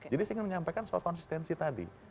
jadi saya ingin menyampaikan soal konsistensi tadi